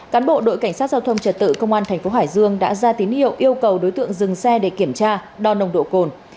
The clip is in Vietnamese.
cán bộ đội cảnh sát giao thông trật tự công an thành phố hải dương đã ra tín hiệu yêu cầu đối tượng dừng xe để kiểm tra đo nồng độ cồn